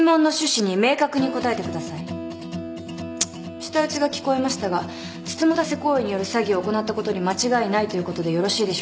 舌打ちが聞こえましたがつつもたせ行為による詐欺を行ったことに間違いないということでよろしいでしょうか。